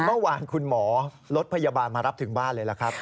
เมื่อวานคุณหมอรถพยาบาลมารับถึงบ้านเลยล่ะครับ